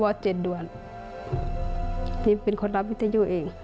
เป็นคนที่รับวิทยุเราเอง